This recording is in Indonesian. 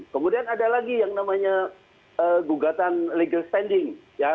kemudian ada lagi yang namanya gugatan legal standing